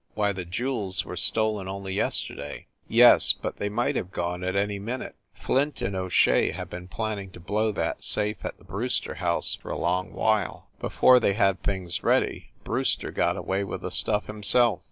"Why, the jewels were stolen only yesterday!" "Yes, but they might have gone at any minute. Flint and O Shea have been planning to blow that safe at the Brewster house for a long while. Before they had things ready, Brewster got away with the stuff himself.